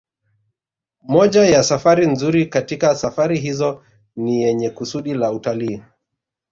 Moja ya safari nzuri katika safari hizo ni yenye kusudi la utalii